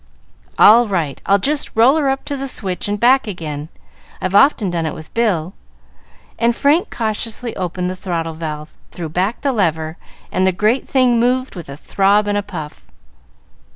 "All right; I'll just roll her up to the switch and back again. I've often done it with Bill;" and Frank cautiously opened the throttle valve, threw back the lever, and the great thing moved with a throb and a puff.